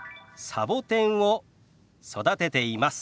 サボテンを育てています。